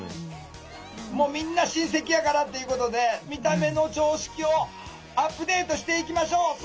もうみんな親戚やからっていうことで見た目の常識をアップデートしていきましょう！